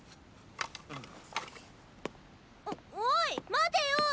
おおい待てよう！